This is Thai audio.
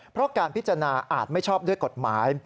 เพราะการพิจารณาอาจไม่ชอบด้วยกฎหมาย